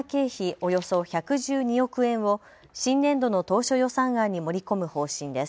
およそ１１２億円を新年度の当初予算案に盛り込む方針です。